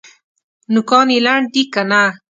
نوکان یې لنډ دي که نه؟